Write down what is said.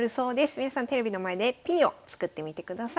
皆さんテレビの前でＰを作ってみてください。